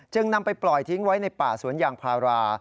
นำไปปล่อยทิ้งไว้ในป่าสวนยางพารา